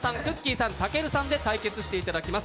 さん、たけるさんで対決していただきます。